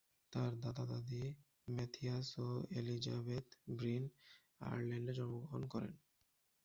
তার দাদা-দাদী ম্যাথিয়াস ও এলিজাবেথ ব্রিন আয়ারল্যান্ডে জন্মগ্রহণ করেন।